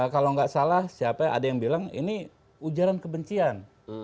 kalau nggak salah siapa ada yang bilang ini ujaran kebencian